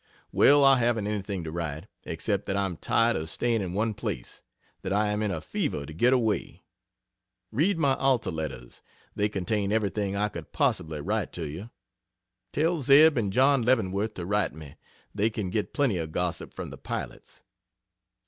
Well, I haven't anything to write, except that I am tired of staying in one place that I am in a fever to get away. Read my Alta letters they contain everything I could possibly write to you. Tell Zeb and John Leavenworth to write me. They can get plenty of gossip from the pilots.